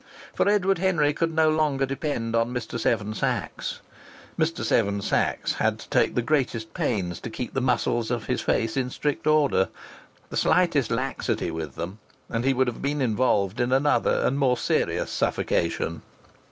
For Edward Henry could no longer depend on Mr. Seven Sachs. Mr. Seven Sachs had to take the greatest pains to keep the muscles of his face in strict order. The slightest laxity with them and he would have been involved in another and more serious suffocation.